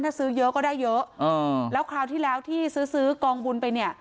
ถ้าซื้อเยอะก็ได้เยอะแล้วคราวที่แล้วที่ซื้อซื้อกองบุญไปเนี่ย